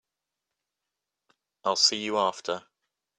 I'll see you after.